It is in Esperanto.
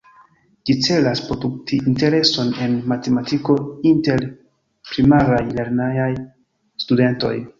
Ĝi celas produkti intereson en matematiko inter Primaraj lernejaj studentoj.